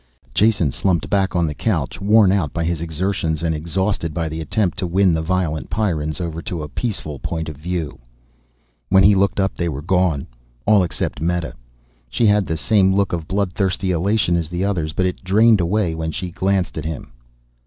Jason slumped back on the couch, worn out by his exertions and exhausted by the attempt to win the violent Pyrrans over to a peaceful point of view. When he looked up they were gone all except Meta. She had the same look of blood thirsty elation as the others, but it drained away when she glanced at him.